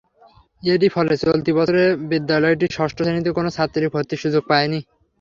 এরই ফলে চলতি বছর বিদ্যালয়টিতে ষষ্ঠ শ্রেণিতে কোনো ছাত্রী ভর্তির সুযোগ পায়নি।